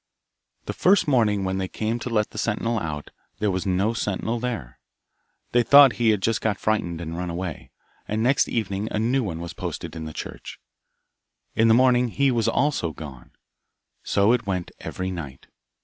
The first morning when they came to let the sentinel out, there was no sentinel there. They thought he had just got frightened and run away, and next evening a new one was posted in the church. In the morning he was also gone. So it went every night.